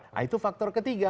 nah itu faktor ketiga